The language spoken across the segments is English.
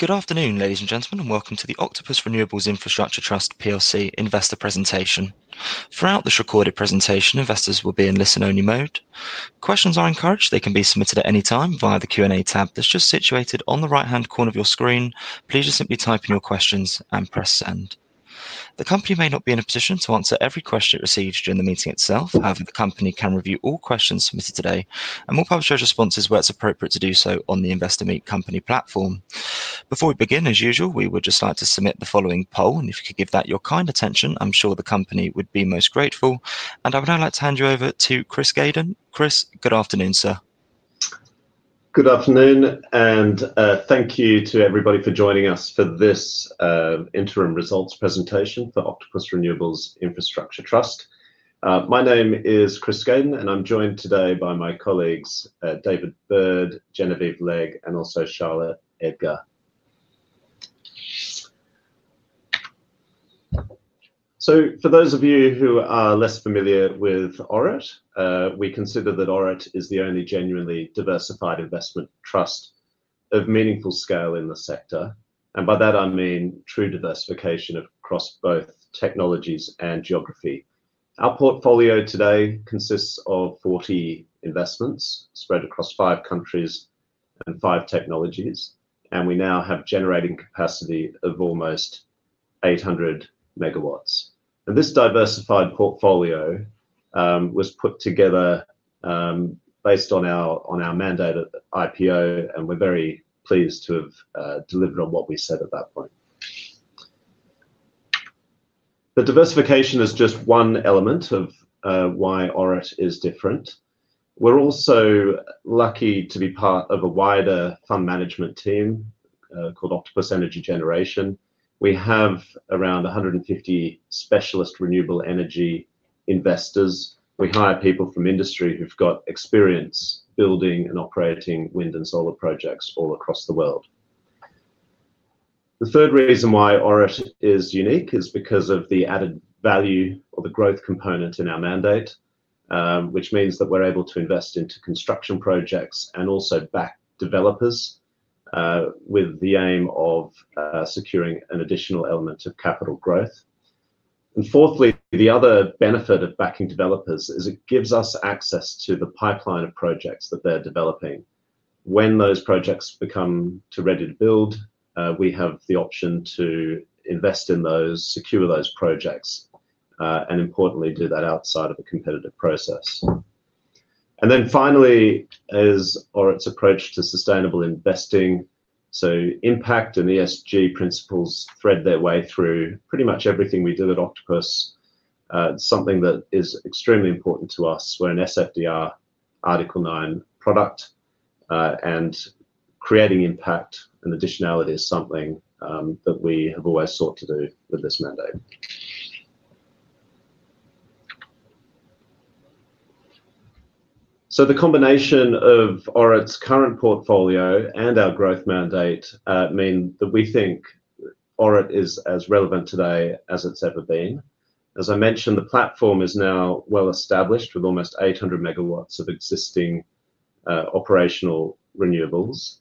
Good afternoon, ladies and gentlemen, and welcome to the Octopus Renewables Infrastructure Trust plc Investor Presentation. Throughout this recorded presentation, investors will be in listen-only mode. Questions are encouraged; they can be submitted at any time via the Q&A tab that's just situated on the right-hand corner of your screen. Please just simply type in your questions and press send. The company may not be in a position to answer every question it receives during the meeting itself. However, the company can review all questions submitted today and will publish those responses where it's appropriate to do so on the Investor Meet Company platform. Before we begin, as usual, we would just like to submit the following poll, and if you could give that your kind attention, I'm sure the company would be most grateful. I would now like to hand you over to Chris Gaydon. Chris, good afternoon, sir. Good afternoon, and thank you to everybody for joining us for this interim results presentation for Octopus Renewables Infrastructure Trust. My name is Chris Gaydon, and I'm joined today by my colleagues, David Bird, Genevieve Legg, and also Charlotte Edgar. For those of you who are less familiar with ORIT, we consider that ORIT is the only genuinely diversified investment trust of meaningful scale in the sector, and by that, I mean true diversification across both technologies and geography. Our portfolio today consists of 40 investments spread across five countries and five technologies, and we now have a generating capacity of almost 800 MW. This diversified portfolio was put together based on our mandate at IPO, and we're very pleased to have delivered on what we said at that point. The diversification is just one element of why ORIT is different. We're also lucky to be part of a wider fund management team called Octopus Energy Generation. We have around 150 specialist renewable energy investors. We hire people from industry who've got experience building and operating wind and solar projects all across the world. The third reason why ORIT is unique is because of the added value of the growth component in our mandate, which means that we're able to invest into construction projects and also back developers with the aim of securing an additional element of capital growth. Fourthly, the other benefit of backing developers is it gives us access to the pipeline of projects that they're developing. When those projects become ready to build, we have the option to invest in those, secure those projects, and importantly, do that outside of a competitive process. Finally, as ORIT's approach to sustainable investing, impact and ESG principles thread their way through pretty much everything we do at Octopus. It's something that is extremely important to us. We're an SFDR Article 9 product, and creating impact and additionality is something that we have always sought to do with this mandate. The combination of ORIT's current portfolio and our growth mandate means that we think ORIT is as relevant today as it's ever been. As I mentioned, the platform is now well-established with almost 800 MW of existing operational renewables.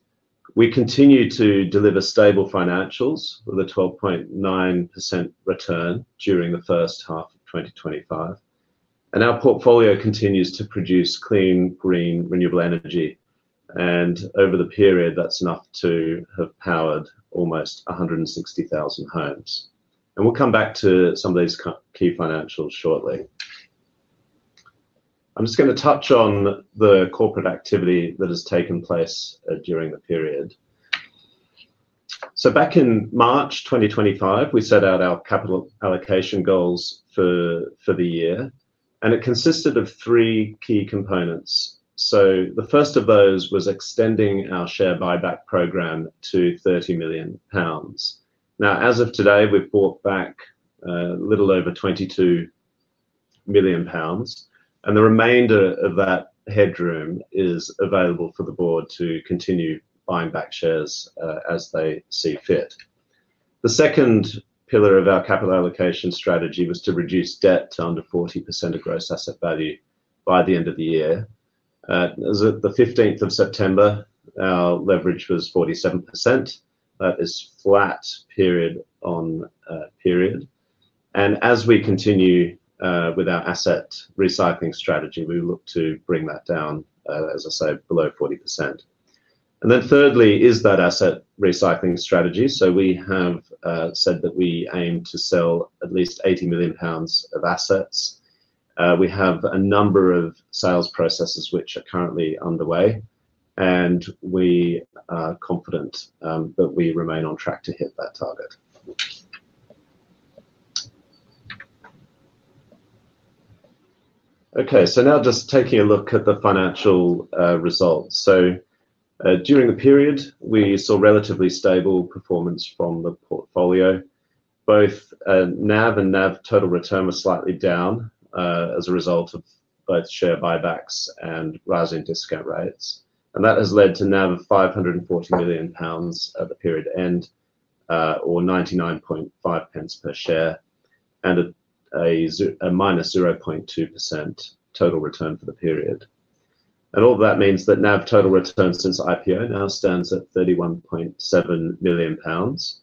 We continue to deliver stable financials with a 12.9% return during the first half of 2025. Our portfolio continues to produce clean, green renewable energy, and over the period, that's enough to have powered almost 160,000 homes. We'll come back to some of these key financials shortly. I'm just going to touch on the corporate activity that has taken place during the period. Back in March 2025, we set out our capital allocation goals for the year, and it consisted of three key components. The first of those was extending our share buyback program to 30 million pounds. Now, as of today, we've bought back a little over 22 million pounds, and the remainder of that headroom is available for the Board to continue buying back shares as they see fit. The second pillar of our capital allocation strategy was to reduce debt to under 40% of gross asset value by the end of the year. As of the 15th of September, our leverage was 47%. That is flat period on period. As we continue with our asset recycling strategy, we look to bring that down, as I say, below 40%. Thirdly is that asset recycling strategy. We have said that we aim to sell at least 80 million pounds of assets. We have a number of sales processes which are currently underway, and we are confident that we remain on track to hit that target. Okay, so now just taking a look at the financial results. During the period, we saw relatively stable performance from the portfolio. Both NAV and NAV total return were slightly down as a result of both share buybacks and rising discount rates. That has led to NAV of 540 million pounds at the period end, or 0.995 per share, and a -0.2% total return for the period. All of that means that NAV total return since IPO now stands at 31.7 million pounds.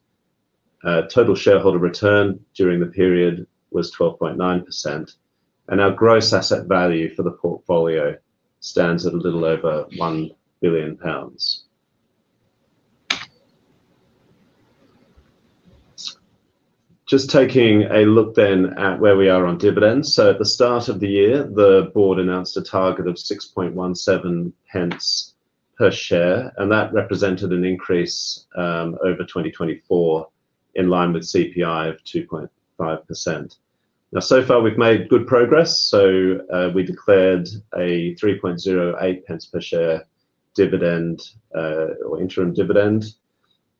Total shareholder return during the period was 12.9%, and our gross asset value for the portfolio stands at a little over 1 billion pounds. Just taking a look then at where we are on dividends. At the start of the year, the Board announced a target of 0.0617 per share, and that represented an increase over 2024 in line with CPI of 2.5%. So far, we've made good progress. We declared a 0.0308 per share dividend or interim dividend,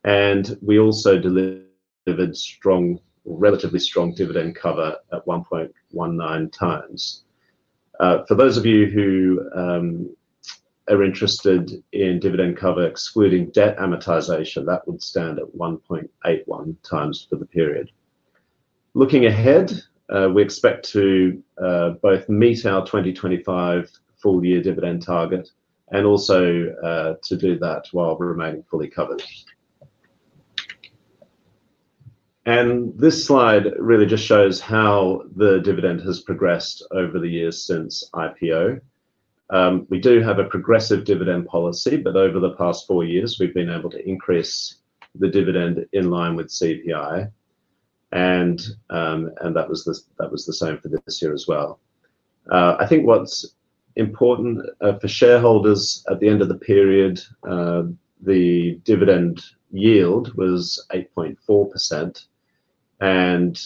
and we also delivered relatively strong dividend cover at 1.19x. For those of you who are interested in dividend cover excluding debt amortization, that would stand at 1.81x for the period. Looking ahead, we expect to both meet our 2025 full-year dividend target and also to do that while remaining fully covered. This slide really just shows how the dividend has progressed over the years since IPO. We do have a progressive dividend policy, but over the past four years, we've been able to increase the dividend in line with CPI, and that was the same for this year as well. I think what's important for shareholders at the end of the period, the dividend yield was 8.4%, and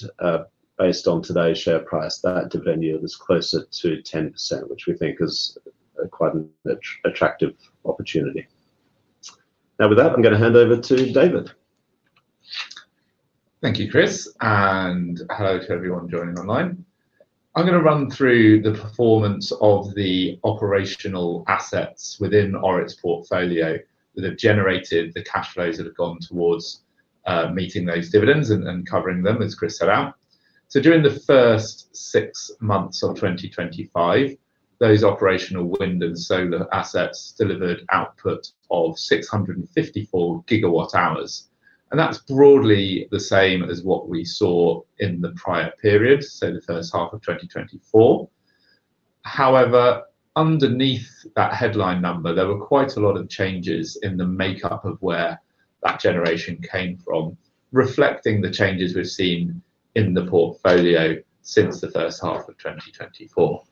based on today's share price, that dividend yield is closer to 10%, which we think is quite an attractive opportunity. Now, with that, I'm going to hand over to David. Thank you, Chris, and hello to everyone joining online. I'm going to run through the performance of the operational assets within ORIT's portfolio that have generated the cash flows that have gone towards meeting those dividends and covering them, as Chris set out. During the first six months of 2025, those operational wind and solar assets delivered output of 654 GWh, and that's broadly the same as what we saw in the prior periods, so the first half of 2024. However, underneath that headline number, there were quite a lot of changes in the makeup of where that generation came from, reflecting the changes we've seen in the portfolio since the first half of 2024.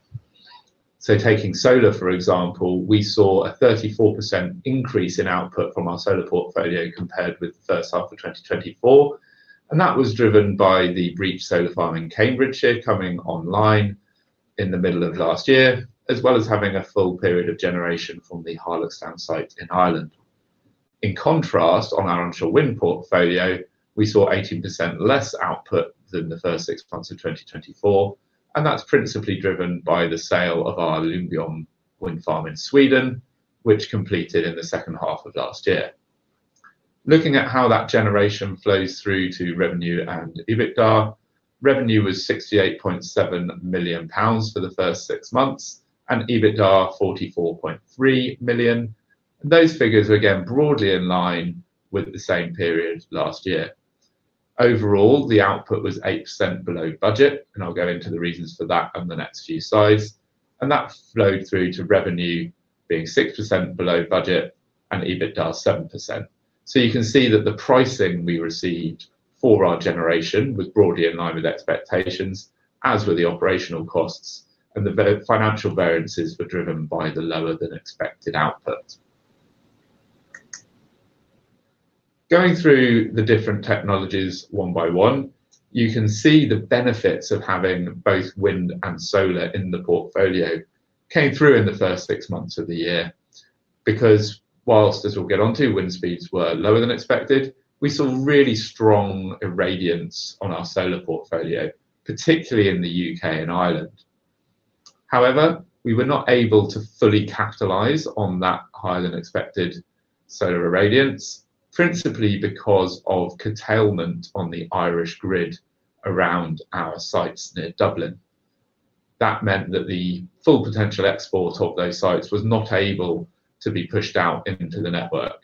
Taking solar, for example, we saw a 34% increase in output from our solar portfolio compared with the first half of 2024, and that was driven by the Breach Solar Farm in Cambridge here coming online in the middle of last year, as well as having a full period of generation from the Harlockstown site in Ireland. In contrast, on our onshore wind portfolio, we saw 18% less output than the first six months of 2024, and that's principally driven by the sale of our Ljungbyholm Wind Farm in Sweden, which completed in the second half of last year. Looking at how that generation flows through to revenue and EBITDA, revenue was 68.7 million pounds for the first six months and EBITDA 44.3 million. Those figures are again broadly in line with the same period last year. Overall, the output was 8% below budget, and I'll get into the reasons for that on the next few slides. That flowed through to revenue being 6% below budget and EBITDA 7%. You can see that the pricing we received for our generation was broadly in line with expectations, as were the operational costs, and the financial variances were driven by the lower than expected output. Going through the different technologies one by one, you can see the benefits of having both wind and solar in the portfolio came through in the first six months of the year because whilst as we'll get on to wind speeds were lower than expected, we saw really strong irradiance on our solar portfolio, particularly in the U.K. and Ireland. However, we were not able to fully capitalize on that higher than expected solar irradiance, principally because of curtailment on the Irish grid around our sites near Dublin. That meant that the full potential export of those sites was not able to be pushed out into the network.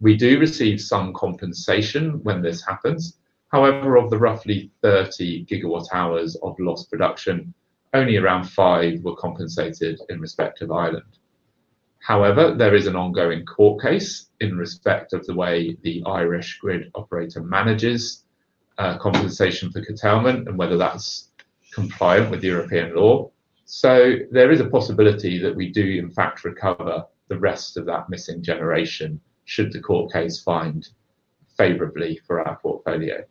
We do receive some compensation when this happens. However, of the roughly 30 GWh of lost production, only around 5 GWh were compensated in respect of Ireland. There is an ongoing court case in respect of the way the Irish grid operator manages compensation for curtailment and whether that's compliant with European law. There is a possibility that we do, in fact, recover the rest of that missing generation should the court case find favorably for our portfolio.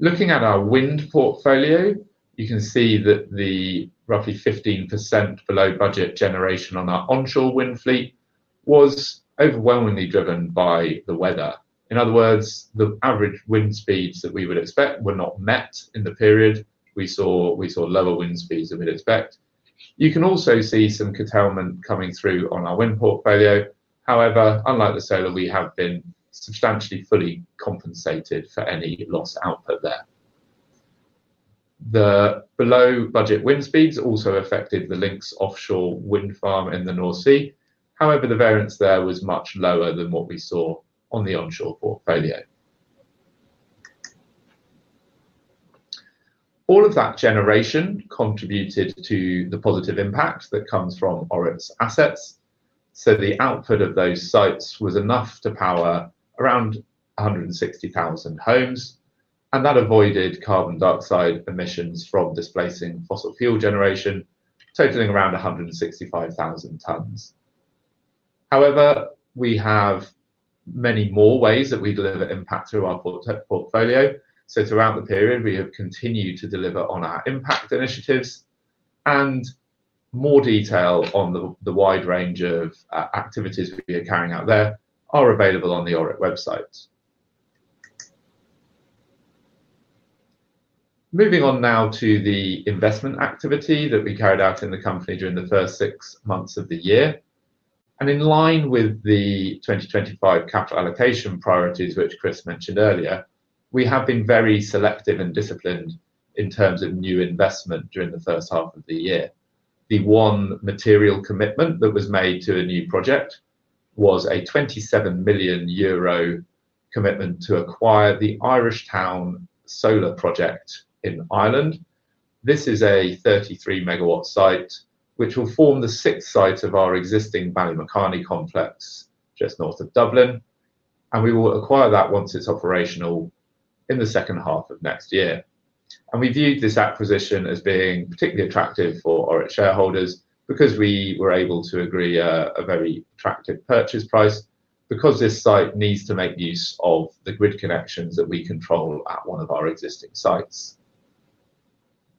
Looking at our wind portfolio, you can see that the roughly 15% below budget generation on our onshore wind fleet was overwhelmingly driven by the weather. In other words, the average wind speeds that we would expect were not met in the period. We saw lower wind speeds than we'd expect. You can also see some curtailment coming through on our wind portfolio. However, unlike the solar, we have been substantially fully compensated for any lost output there. The below budget wind speeds also affected the Lincs offshore wind farm in the North Sea. However, the variance there was much lower than what we saw on the onshore portfolio. All of that generation contributed to the positive impact that comes from ORIT's assets. The output of those sites was enough to power around 160,000 homes, and that avoided carbon dioxide emissions from displacing fossil fuel generation, totaling around 165,000 tons. We have many more ways that we deliver impact through our portfolio. Throughout the period, we have continued to deliver on our impact initiatives, and more detail on the wide range of activities we are carrying out there are available on the ORIT website. Moving on now to the investment activity that we carried out in the company during the first six months of the year, in line with the 2025 capital allocation priorities which Chris mentioned earlier, we have been very selective and disciplined in terms of new investment during the first half of the year. The one material commitment that was made to a new project was a 27 million euro commitment to acquire the Irishtown solar project in Ireland. This is a 33 MW site which will form the sixth site of our existing [Valley-Mccartney] complex just North of Dublin, and we will acquire that once it's operational in the second half of next year. We viewed this acquisition as being particularly attractive for our shareholders because we were able to agree a very attractive purchase price because this site needs to make use of the grid connections that we control at one of our existing sites.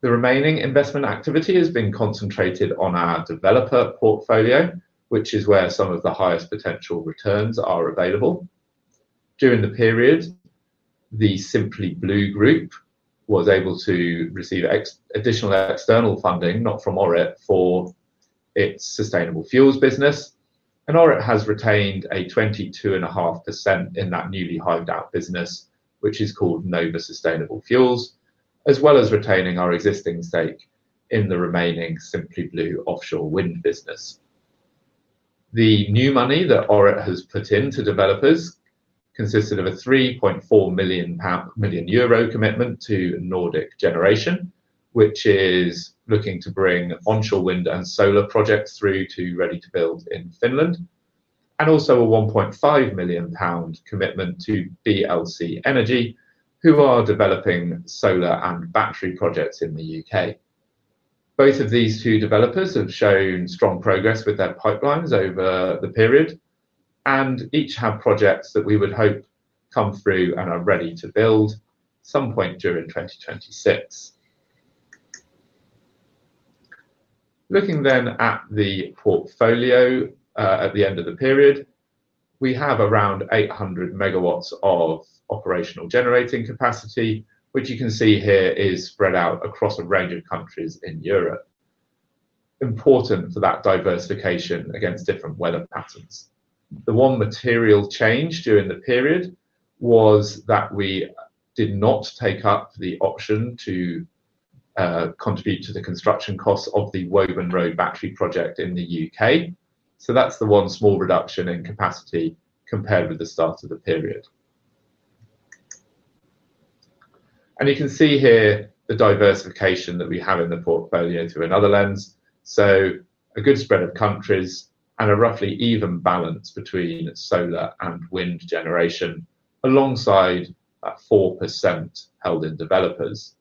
The remaining investment activity has been concentrated on our developer portfolio, which is where some of the highest potential returns are available. During the period, the Simply Blue Group was able to receive additional external funding, not from ORIT, for its sustainable fuels business, and ORIT has retained a 22.5% in that newly hived out business, which is called Nova Sustainable Fuels, as well as retaining our existing stake in the remaining Simply Blue offshore wind business. The new money that ORIT has put into developers consisted of a 3.4 million commitment to Nordic Generation, which is looking to bring onshore wind and solar projects through to ready to build in Finland, and also a 1.5 million pound commitment to BLC Energy, who are developing solar and battery projects in the U.K. Both of these two developers have shown strong progress with their pipelines over the period, and each have projects that we would hope come through and are ready to build at some point during 2026. Looking then at the portfolio at the end of the period, we have around 800 MW of operational generating capacity, which you can see here is spread out across a range of countries in Europe, important for that diversification against different weather patterns. The one material change during the period was that we did not take up the option to contribute to the construction costs of the Woburn Road Battery project in the U.K. That's the one small reduction in capacity compared with the start of the period. You can see here the diversification that we have in the portfolio through another lens, a good spread of countries and a roughly even balance between solar and wind generation, alongside 4% held in developers.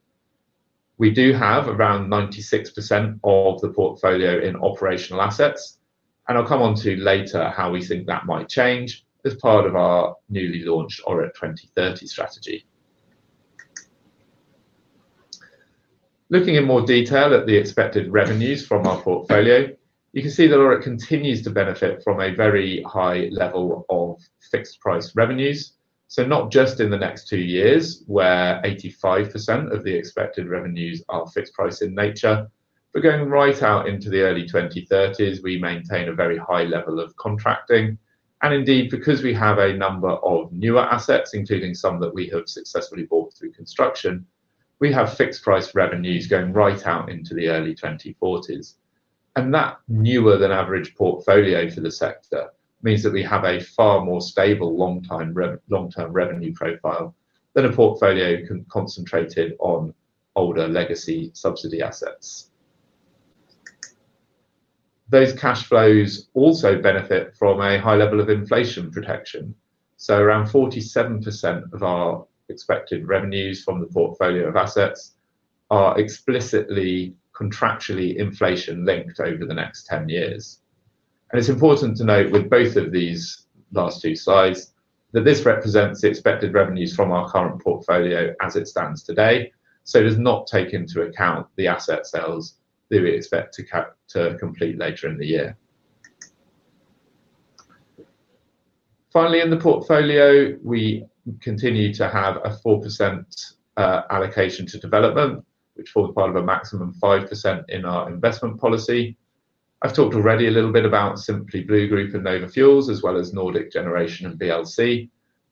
We do have around 96% of the portfolio in operational assets, and I'll come on to later how we think that might change as part of our newly launched ORIT 2030 strategy. Looking in more detail at the expected revenues from our portfolio, you can see that ORIT continues to benefit from a very high level of fixed-price revenues, not just in the next two years where 85% of the expected revenues are fixed-price in nature, but going right out into the early 2030s, we maintain a very high level of contracting. Indeed, because we have a number of newer assets, including some that we have successfully bought through construction, we have fixed-price revenues going right out into the early 2040s. That newer than average portfolio for the sector means that we have a far more stable long-term revenue profile than a portfolio concentrated on older legacy subsidy assets. Those cash flows also benefit from a high level of inflation protection. Around 47% of our expected revenues from the portfolio of assets are explicitly contractually inflation-linked over the next 10 years. It's important to note with both of these last two slides that this represents the expected revenues from our current portfolio as it stands today. It does not take into account the asset sales that we expect to complete later in the year. Finally, in the portfolio, we continue to have a 4% allocation to development, which forms part of a maximum 5% in our investment policy. I've talked already a little bit about Simply Blue Group and Nova Fuels, as well as Nordic Generation and BLC.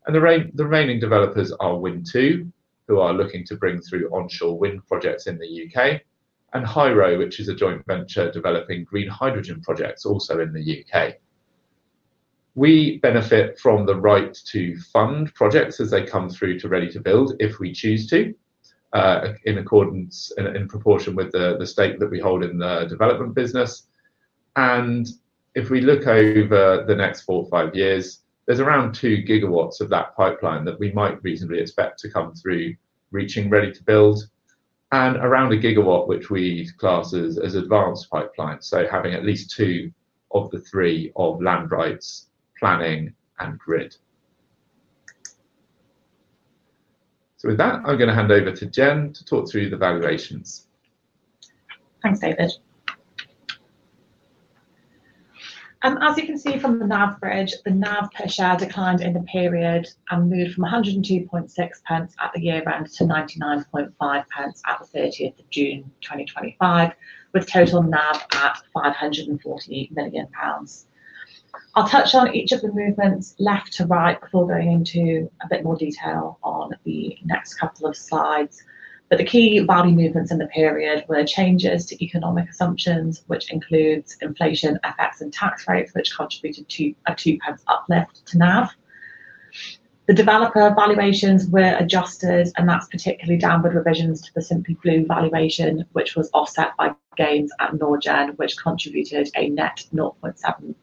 The remaining developers are Wind2, who are looking to bring through onshore wind projects in the U.K., and HYRO, which is a joint venture developing green hydrogen projects also in the U.K. We benefit from the right to fund projects as they come through to ready to build if we choose to, in proportion with the stake that we hold in the development business. If we look over the next four or five years, there's around 2 GW of that pipeline that we might reasonably expect to come through reaching ready to build, and around 1 GW which we'd class as advanced pipeline, having at least two of the three of land rights, planning, and grid. With that, I'm going to hand over to Gen to talk through the valuations. Thanks, David. As you can see from the NAV bridge, the NAV per share declined in the period and moved from 1.026 at the year-end to 0.995 at June 30, 2025, with total NAV at 540 million pounds. I'll touch on each of the movements left to right before going into a bit more detail on the next couple of slides. The key body movements in the period were changes to economic assumptions, which includes inflation effects and tax rates, which contributed to a 0.02 uplift to NAV. The developer valuations were adjusted, and that's particularly downward revisions to the Simply Blue valuation, which was offset by gains at Norgen, which contributed a net 0.007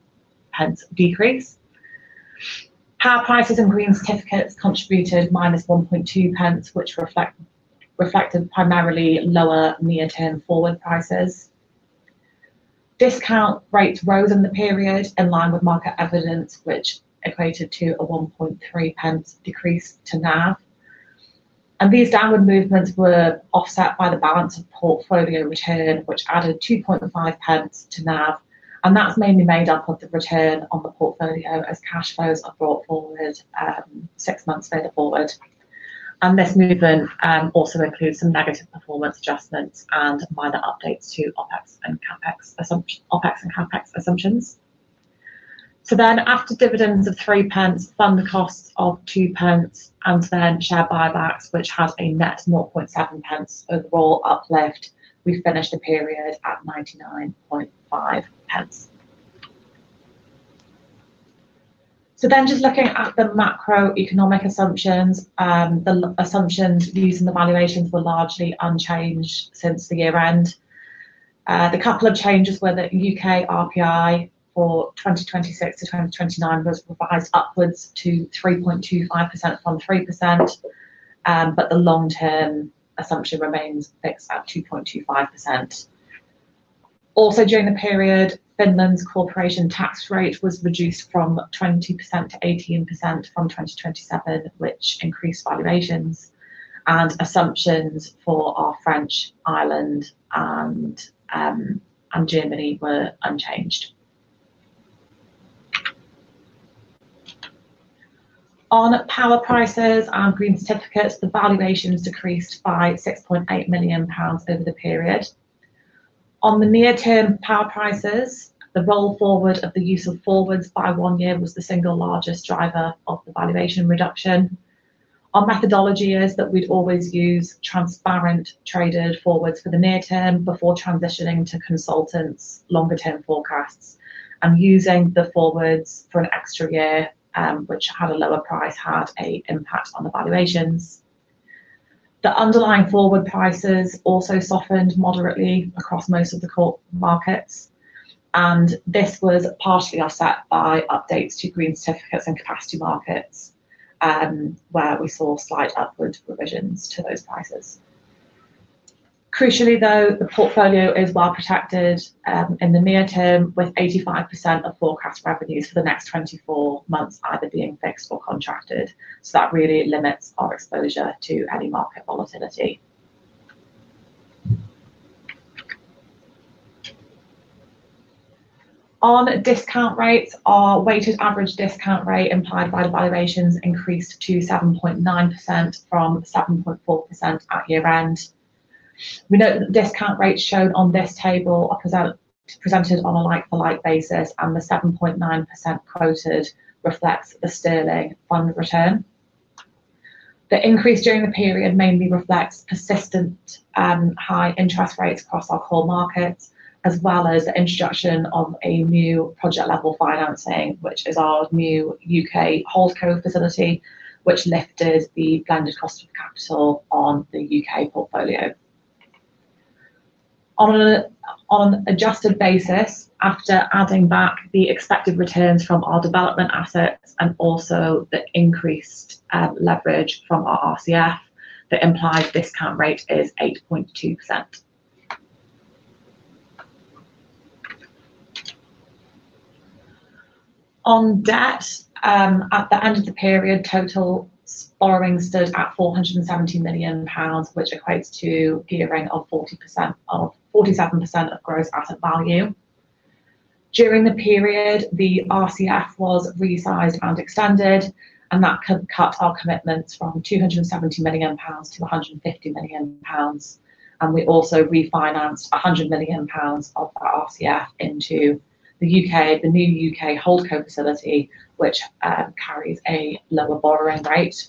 decrease. Power prices and green certificates contributed -0.012, which reflected primarily lower near-term forward prices. Discount rates rose in the period in line with market evidence, which equated to a 0.013 decrease to NAV. These downward movements were offset by the balance of portfolio return, which added 0.025 to NAV, and that's mainly made up of the return on the portfolio as cash flows are brought forward six months later forward. This movement also includes some negative performance adjustments and minor updates to OpEx and CapEx assumptions. After dividends of 0.03, the costs of 0.02, and share buybacks, which had a net 0.007 overall uplift, we finished the period at 0.995. Looking at the macroeconomic assumptions, the assumptions used in the valuations were largely unchanged since the year-end. The couple of changes were that U.K. RPI for 2026-2029 was revised upwards to 3.25% from 3%, but the long-term assumption remains fixed at 2.25%. During the period, Finland's corporation tax rate was reduced from 20% to 18% from 2027, which increased valuations, and assumptions for France, Ireland, and Germany were unchanged. On power prices and green certificates, the valuations decreased by 6.8 million pounds over the period. On the near-term power prices, the roll forward of the use of forwards by one year was the single largest driver of the valuation reduction. Our methodology is that we'd always use transparent traded forwards for the near term before transitioning to consultants' longer-term forecasts, and using the forwards for an extra year, which had a lower price, had an impact on the valuations. The underlying forward prices also softened moderately across most of the markets, and this was partially offset by updates to green certificates and capacity markets, where we saw slight upward revisions to those prices. Crucially, though, the portfolio is well-protected in the near term with 85% of forecast revenues for the next 24 months either being fixed or contracted. That really limits our exposure to any market volatility. On discount rates, our weighted average discount rate implied by the valuations increased to 7.9% from 7.4% at year-end. We note that discount rates shown on this table are presented on a like-for-like basis, and the 7.9% quoted reflects a sterling fund return. The increase during the period mainly reflects persistent high interest rates across our core markets, as well as the introduction of a new project-level financing, which is our new U.K, whole co facility, which lifted the standard cost of capital on the U.K. portfolio. On an adjusted basis, after adding back the expected returns from our development assets and also the increased leverage from our RCF, that implies the discount rate is 8.2%. On debt, at the end of the period, total borrowings stood at 417 million pounds, which equates to a range of 47% of gross asset value. During the period, the RCF was resized and extended, and that cut our commitments from 270 million pounds to 150 million pounds. We also refinanced 100 million pounds of our RCF into the new U.K. whole co facility, which carries a lower borrowing rate.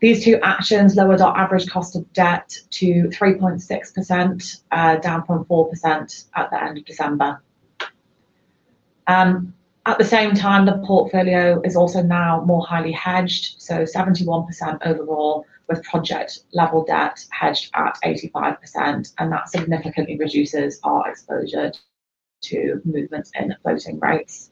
These two actions lowered our average cost of debt to 3.6%, down 0.4% at the end of December. At the same time, the portfolio is also now more highly hedged, so 71% overall, with project-level debt hedged at 85%, and that significantly reduces our exposure to movements in floating rates.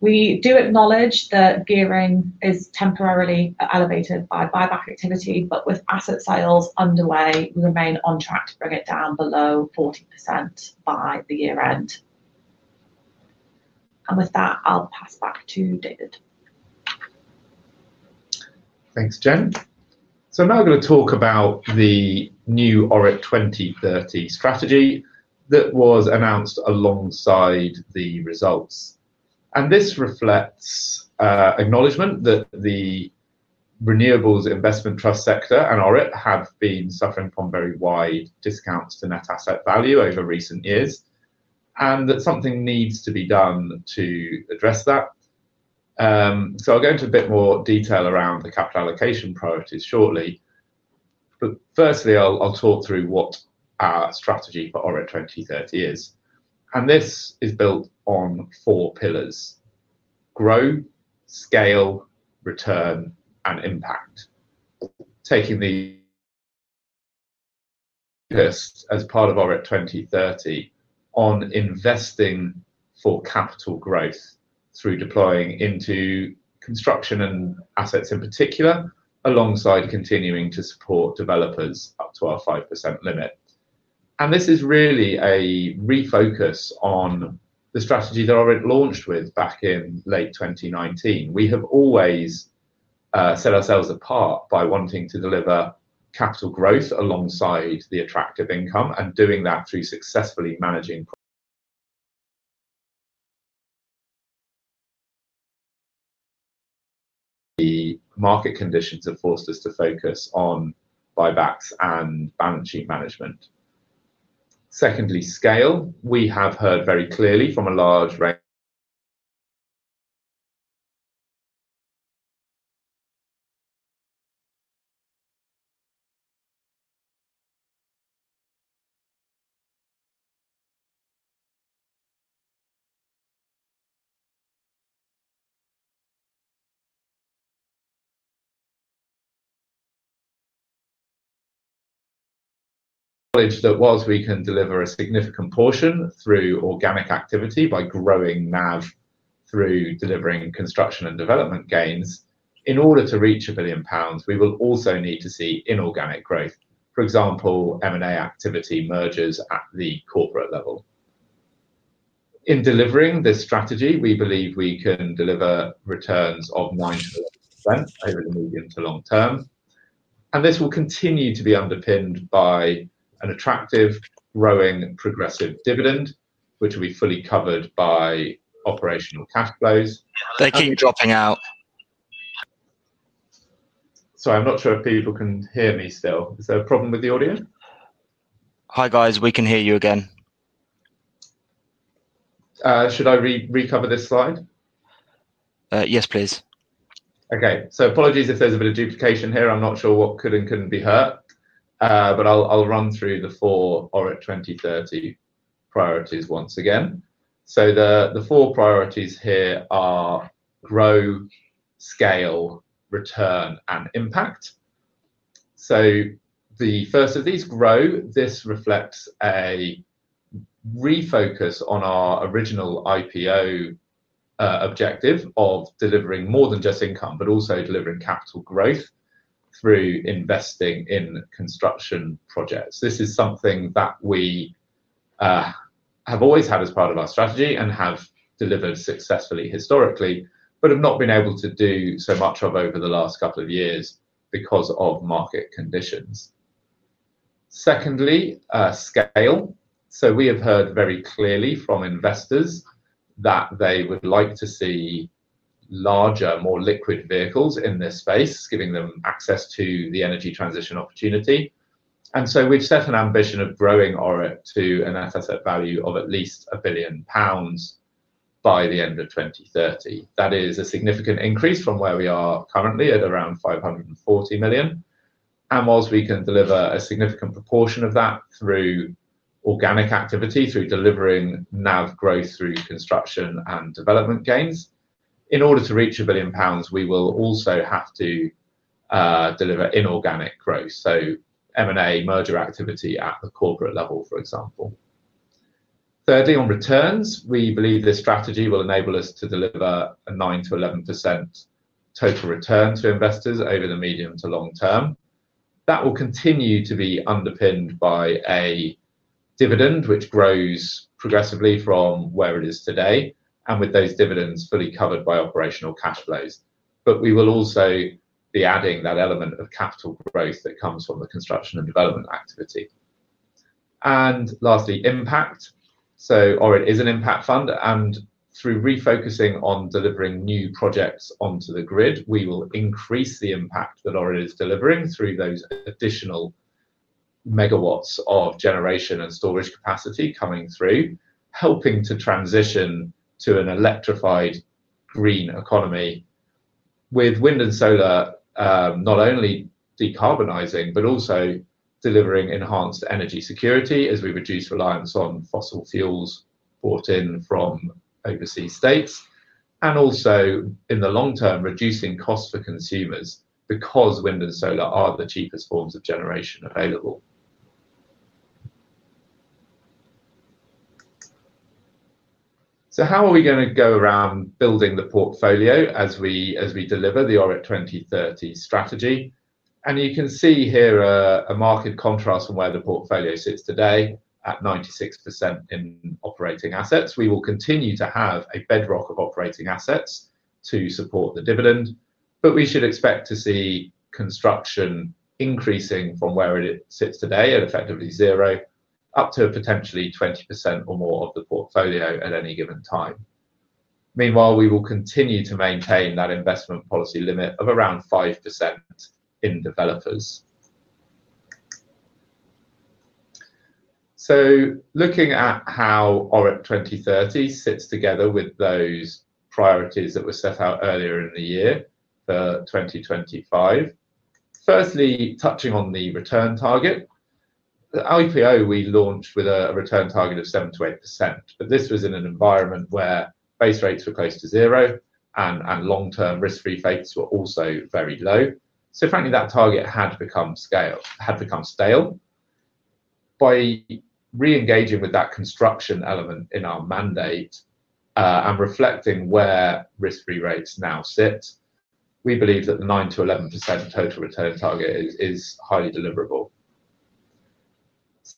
We do acknowledge that gearing is temporarily elevated by buyback activity, but with asset sales underway, we remain on track to bring it down below 40% by the year-end. With that, I'll pass back to David. Thanks, Gen. Now I'm going to talk about the new ORIT 2030 strategy that was announced alongside the results. This reflects acknowledgment that the renewables investment trust sector and ORIT have been suffering from very wide discounts to net asset value over recent years, and that something needs to be done to address that. I'll go into a bit more detail around the capital allocation priorities shortly. Firstly, I'll talk through what our strategy for ORIT 2030 is. This is built on four pillars: grow, scale, return, and impact. Taking the pillars as part of ORIT 2030 on investing for capital growth through deploying into construction and assets in particular, alongside continuing to support developers up to our 5% limit. This is really a refocus on the strategy that ORIT launched with back in late 2019. We have always set ourselves apart by wanting to deliver capital growth alongside the attractive income, and doing that through successfully managing the market conditions that forced us to focus on buybacks and balance sheet management. Secondly, scale. We have heard very clearly from a large region that whilst we can deliver a significant portion through organic activity by growing NAV through delivering construction and development gains, in order to reach 1 billion pounds, we will also need to see inorganic growth, for example, M&A activity, mergers at the corporate level. In delivering this strategy, we believe we can deliver returns of 1% over the medium to long-term. This will continue to be underpinned by an attractive, growing, progressive dividend, which will be fully covered by operational cash flows. Thank you. I'm not sure if people can hear me still. Is there a problem with the audio? Hi, guys. We can hear you again. Should I recover this slide? Yes, please. Okay. Apologies if there's a bit of duplication here. I'm not sure what could and couldn't be heard, but I'll run through the four ORIT 2030 priorities once again. The four priorities here are grow, scale, return, and impact. The first of these, grow, this reflects a refocus on our original IPO objective of delivering more than just income, but also delivering capital growth through investing in construction projects. This is something that we have always had as part of our strategy and have delivered successfully historically, but have not been able to do so much of over the last couple of years because of market conditions. Secondly, scale. We have heard very clearly from investors that they would like to see larger, more liquid vehicles in this space, giving them access to the energy transition opportunity. We'd set an ambition of growing ORIT to an asset value of at least 1 billion pounds by the end of 2030. That is a significant increase from where we are currently at around 540 million. Whilst we can deliver a significant proportion of that through organic activity, through delivering NAV growth through construction and development gains, in order to reach 1 billion pounds, we will also have to deliver inorganic growth, so M&A merger activity at the corporate level, for example. Thirdly, on returns, we believe this strategy will enable us to deliver a 9%-11% total return to investors over the medium to long-term. That will continue to be underpinned by a dividend which grows progressively from where it is today, and with those dividends fully covered by operational cash flows. We will also be adding that element of capital growth that comes from the construction and development activity. Lastly, impact. ORIT is an impact fund, and through refocusing on delivering new projects onto the grid, we will increase the impact that ORIT is delivering through those additional megawatts of generation and storage capacity coming through, helping to transition to an electrified green economy with wind and solar not only decarbonizing, but also delivering enhanced energy security as we reduce reliance on fossil fuels brought in from overseas states, and also in the long-term, reducing costs for consumers because wind and solar are the cheapest forms of generation available. How are we going to go around building the portfolio as we deliver the ORIT 2030 strategy? You can see here a marked contrast from where the portfolio sits today at 96% in operating assets. We will continue to have a bedrock of operating assets to support the dividend, but we should expect to see construction increasing from where it sits today at effectively zero up to potentially 20% or more of the portfolio at any given time. Meanwhile, we will continue to maintain that investment policy limit of around 5% in developers. Looking at how ORIT 2030 sits together with those priorities that were set out earlier in the year for 2025, firstly touching on the return target. The IPO we launched with a return target of 7%-8%, but this was in an environment where base rates were close to zero and long-term risk-free rates were also very low. Frankly, that target had become stale. By re-engaging with that construction element in our mandate and reflecting where risk-free rates now sit, we believe that the 9%-11% total return target is highly deliverable.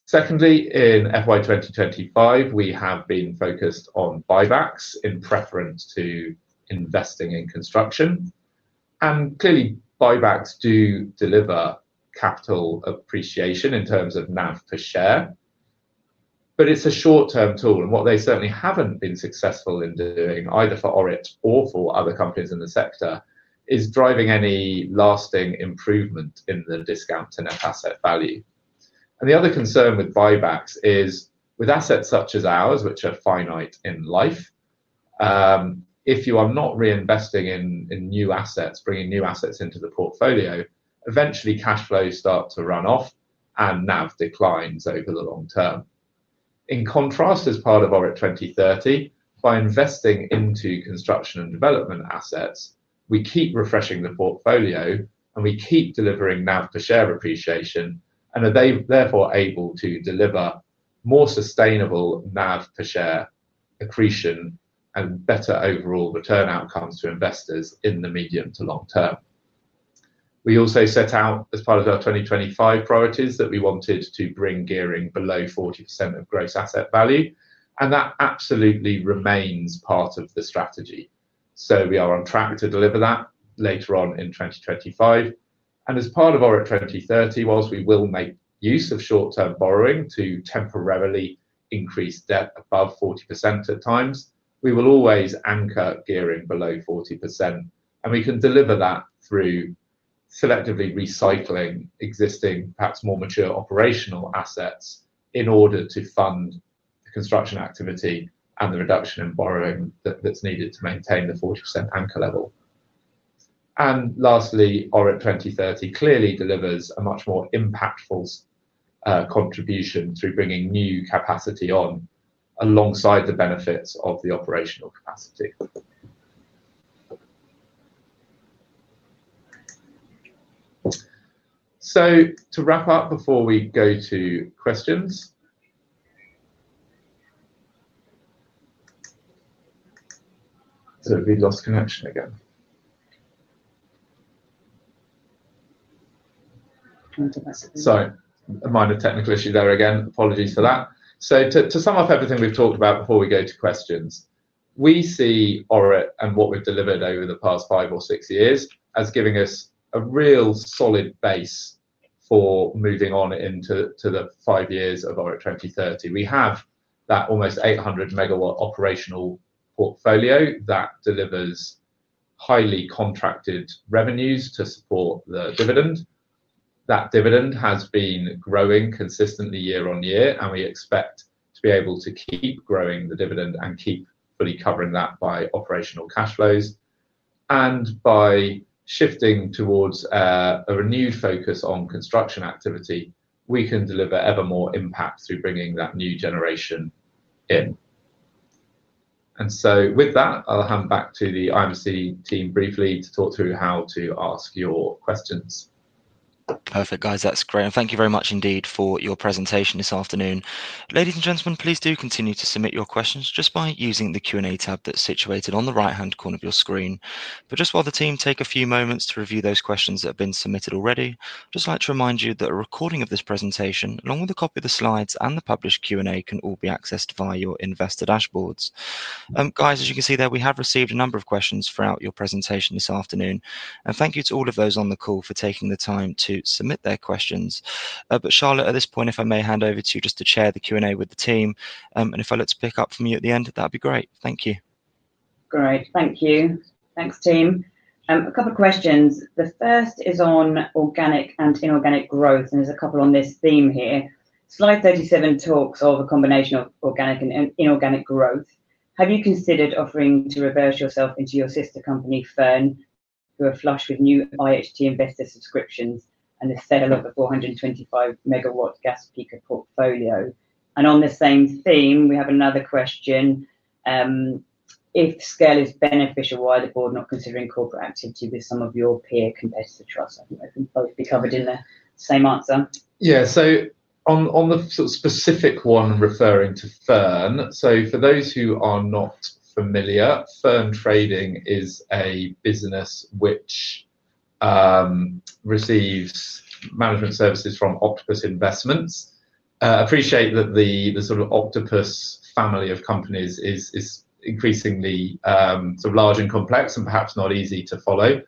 Secondly, in FY 2025, we have been focused on buybacks in preference to investing in construction. Clearly, buybacks do deliver capital appreciation in terms of NAV per share, but it's a short-term tool, and what they certainly haven't been successful in doing either for ORIT or for other companies in the sector is driving any lasting improvement in the discount to net asset value. The other concern with buybacks is with assets such as ours, which are finite in life, if you are not reinvesting in new assets, bringing new assets into the portfolio, eventually cash flows start to run off and NAV declines over the long-term. In contrast, as part of ORIT 2030, by investing into construction and development assets, we keep refreshing the portfolio and we keep delivering NAV per share appreciation, and are therefore able to deliver more sustainable NAV per share accretion and better overall return outcomes to investors in the medium to long-term. We also set out as part of our 2025 priorities that we wanted to bring gearing below 40% of gross asset value, and that absolutely remains part of the strategy. We are on track to deliver that later on in 2025. As part of ORIT 2030, whilst we will make use of short-term borrowing to temporarily increase debt above 40% at times, we will always anchor gearing below 40%, and we can deliver that through selectively recycling existing, perhaps more mature operational assets in order to fund the construction activity and the reduction in borrowing that's needed to maintain the 40% anchor level. Lastly, ORIT 2030 clearly delivers a much more impactful contribution through bringing new capacity on alongside the benefits of the operational capacity. To wrap up before we go to questions, we lost connection again. Sorry, a minor technical issue there again. Apologies for that. To sum up everything we've talked about before we go to questions, we see ORIT and what we've delivered over the past five or six years as giving us a real solid base for moving on into the five years of ORIT 2030. We have that almost 800 MW operational portfolio that delivers highly contracted revenues to support the dividend. That dividend has been growing consistently year on year, and we expect to be able to keep growing the dividend and keep fully covering that by operational cash flows. By shifting towards a renewed focus on construction activity, we can deliver ever more impact through bringing that new generation in. With that, I'll hand back to the IMC team briefly to talk through how to ask your questions. Perfect, guys. That's great. Thank you very much indeed for your presentation this afternoon. Ladies and gentlemen, please do continue to submit your questions just by using the Q&A tab that's situated on the right-hand corner of your screen. While the team take a few moments to review those questions that have been submitted already, I'd just like to remind you that a recording of this presentation, along with a copy of the slides and the published Q&A, can all be accessed via your investor dashboards. Guys, as you can see there, we have received a number of questions throughout your presentation this afternoon. Thank you to all of those on the call for taking the time to submit their questions. Charlotte, at this point, if I may hand over to you just to share the Q&A with the team, and if I look to pick up from you at the end, that'd be great. Thank you. Great. Thank you. Thanks, team. A couple of questions. The first is on organic and inorganic growth, and there's a couple on this theme here. Slide 37 talks of a combination of organic and inorganic growth. Have you considered offering to reverse yourself into your sister company firm, who are flush with new IHT investor subscriptions and a set of over 425 MW gas peaker portfolio? On the same theme, we have another question. If scale is beneficial, why are the Board not considering corporate activity with some of your peer competitor trust? I think both be covered in the same answer. Yeah. On the sort of specific one referring to firm, for those who are not familiar, firm trading is a business which receives management services from Octopus Investments. I appreciate that the sort of Octopus family of companies is increasingly sort of large and complex and perhaps not easy to follow.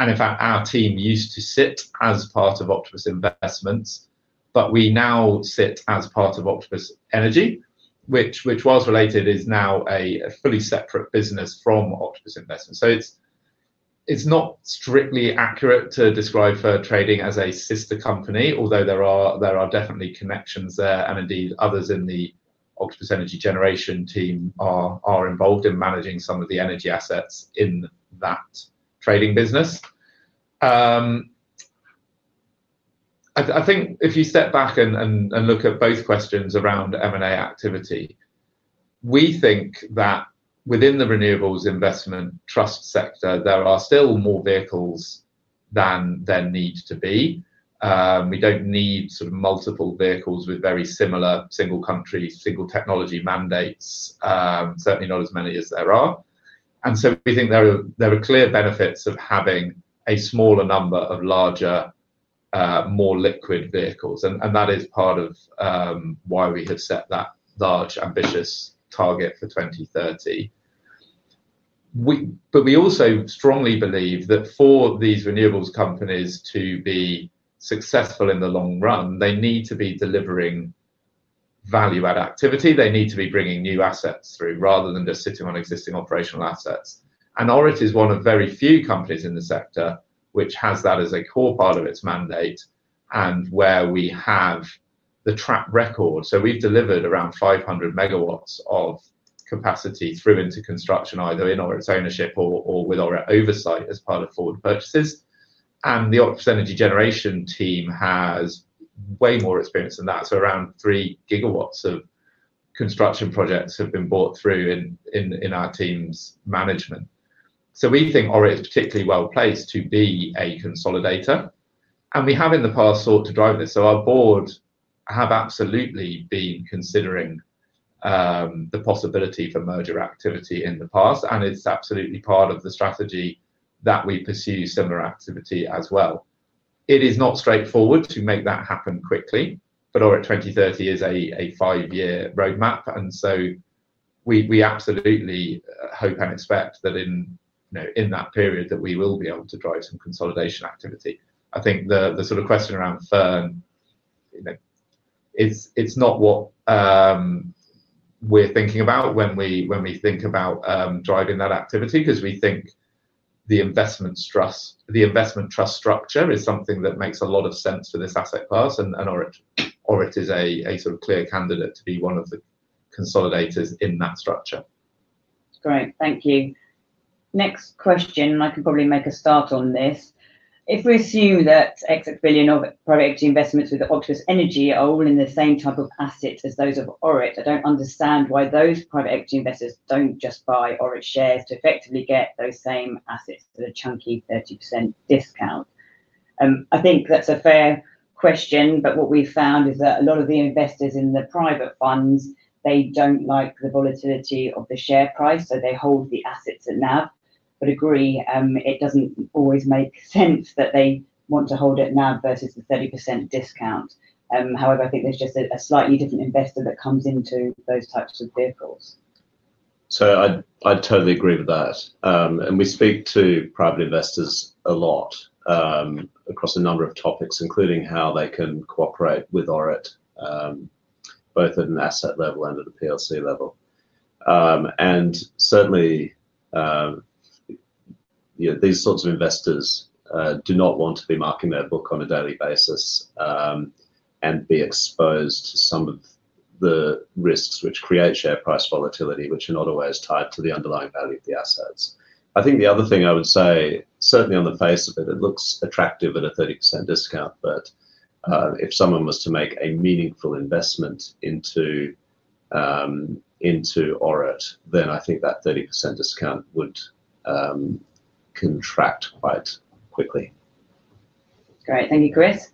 In fact, our team used to sit as part of Octopus Investments, but we now sit as part of Octopus Energy, which was related, is now a fully separate business from Octopus Investments. It's not strictly accurate to describe firm trading as a sister company, although there are definitely connections there, and indeed others in the Octopus Energy Generation team are involved in managing some of the energy assets in that trading business. I think if you step back and look at both questions around M&A activity, we think that within the renewables investment trust sector, there are still more vehicles than there need to be. We don't need multiple vehicles with very similar single country, single technology mandates, certainly not as many as there are. We think there are clear benefits of having a smaller number of larger, more liquid vehicles, and that is part of why we have set that large ambitious target for 2030. We also strongly believe that for these renewables companies to be successful in the long run, they need to be delivering value-add activity. They need to be bringing new assets through rather than just sitting on existing operational assets. ORIT is one of very few companies in the sector which has that as a core part of its mandate and where we have the track record. We've delivered around 500 MW of capacity through into construction, either in ORIT's ownership or with ORIT oversight as part of forward purchases. The Octopus Energy Generation team has way more experience than that. Around 3 GW of construction projects have been brought through in our team's management. We think ORIT is particularly well-placed to be a consolidator, and we have in the past sought to drive this. Our Board have absolutely been considering the possibility for merger activity in the past, and it's absolutely part of the strategy that we pursue similar activity as well. It is not straightforward to make that happen quickly, but ORIT 2030 is a five-year roadmap, and we absolutely hope and expect that in that period that we will be able to drive some consolidation activity. I think the question around firm, it's not what we're thinking about when we think about driving that activity because we think the investment trust structure is something that makes a lot of sense for this asset class, and ORIT is a sort of clear candidate to be one of the consolidators in that structure. Great. Thank you. Next question, and I can probably make a start on this. If we assume that exit billion of private equity investments with Octopus Energy are all in the same type of assets as those of ORIT, I don't understand why those private equity investors don't just buy ORIT shares to effectively get those same assets at the chunky 30% discount. I think that's a fair question, but what we found is that a lot of the investors in the private funds, they don't like the volatility of the share price, so they hold the assets at NAV, but agree, it doesn't always make sense that they want to hold at NAV versus the 30% discount. However, I think there's just a slightly different investor that comes into those types of vehicles. I totally agree with that. We speak to private investors a lot across a number of topics, including how they can cooperate with ORIT, both at an asset level and at the PLC level. Certainly, these sorts of investors do not want to be marking their book on a daily basis and be exposed to some of the risks which create share price volatility, which are not always tied to the underlying value of the assets. I think the other thing I would say, certainly on the face of it, it looks attractive at a 30% discount, but if someone was to make a meaningful investment into ORIT, then I think that 30% discount would contract quite quickly. Great. Thank you, Chris.